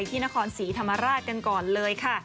ที่นครศรีธรรมราชกันก่อนเลยค่ะ